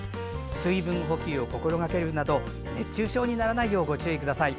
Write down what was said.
水分補給を心がけるなど熱中症にならないようご注意ください。